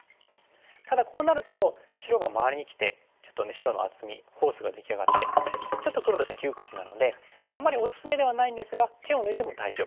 ただこうなると白が周りにきてちょっとね白の厚みフォースが出来上がってちょっと黒としては窮屈なのであんまりおすすめではないんですが手を抜いても大丈夫。